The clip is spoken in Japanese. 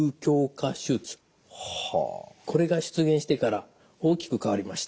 これが出現してから大きく変わりました。